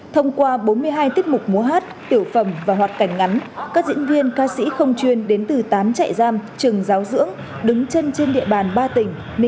thông qua bốn mươi hai tiết mục múa hát tiểu phẩm và hoạt cảnh ngắn các diễn viên ca sĩ không chuyên đến từ tám trại giam trường giáo dưỡng đứng chân trên địa bàn ba tỉnh